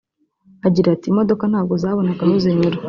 Agira ati “Imodoka ntabwo zabonaga aho zinyura